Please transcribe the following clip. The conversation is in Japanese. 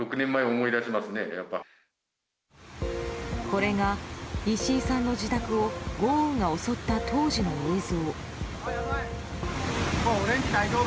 これが石井さんの自宅を豪雨が襲った当時の映像。